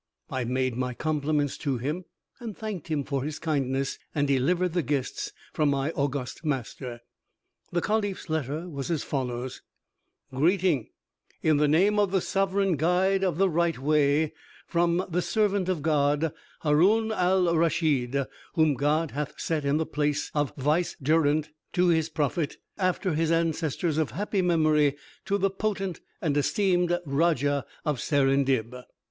I made my compliments to him, and thanked him for his kindness, and delivered the gifts from my august master. The caliph's letter was as follows: "Greeting, in the name of the Sovereign Guide of the Right Way, from the servant of God, Haroun al Raschid, whom God hath set in the place of vicegerent to His Prophet, after his ancestors of happy memory, to the potent and esteemed Raja of Serendib.